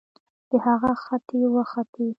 د هغه ختې وختې